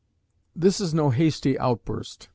This is no hasty outburst.